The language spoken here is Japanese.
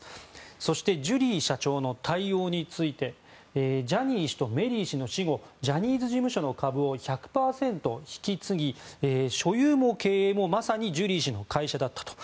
そして、ジュリー社長の対応についてジャニー氏とメリー氏の死後ジャニーズ事務所の株を１００％引き継ぎ所有も経営もまさにジュリー氏の会社だったと。